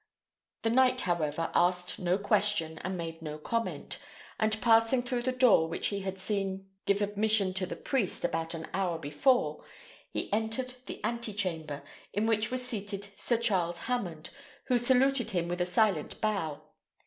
The knight, however, asked no question and made no comment, and passing through the door which he had seen give admission to the priest about an hour before, he entered the ante chamber, in which was seated Sir Charles Hammond, who saluted him with a silent bow.